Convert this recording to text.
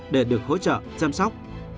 để được hỗ trợ chăm sóc